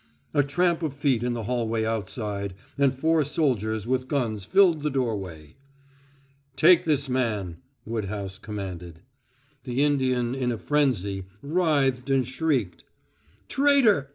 A tramp of feet in the hallway outside, and four soldiers with guns filled the doorway. "Take this man!" Woodhouse commanded. The Indian, in a frenzy, writhed and shrieked: "Traitor!